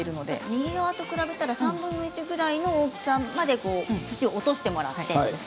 右側と比べたら３分の１くらいの大きさまで土を落としてもらってます。